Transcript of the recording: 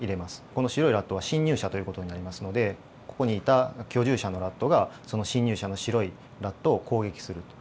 この白いラットは侵入者という事になりますのでここにいた居住者のラットがその侵入者の白いラットを攻撃すると。